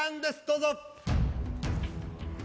どうぞ。